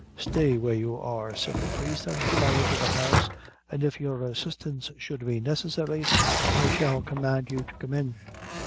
"Stay where you are," said the priest, "until I enter the house, and if your assistance should be necessary, I shall command you to come in."